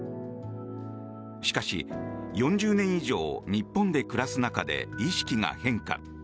しかし、４０年以上日本で暮らす中で意識が変化。